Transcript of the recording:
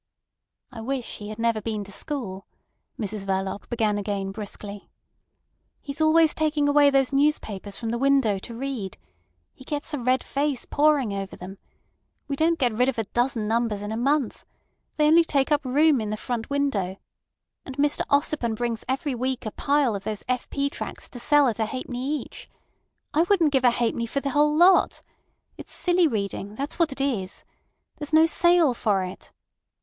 "I wish he had never been to school," Mrs Verloc began again brusquely. "He's always taking away those newspapers from the window to read. He gets a red face poring over them. We don't get rid of a dozen numbers in a month. They only take up room in the front window. And Mr Ossipon brings every week a pile of these F. P. tracts to sell at a halfpenny each. I wouldn't give a halfpenny for the whole lot. It's silly reading—that's what it is. There's no sale for it.